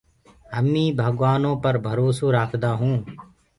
همي ڀگوآنو پر ڀروسو رآکدآ هونٚ۔